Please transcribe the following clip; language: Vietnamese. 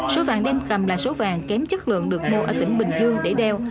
số vàng đem cầm là số vàng kém chất lượng được mua ở tỉnh bình dương để đeo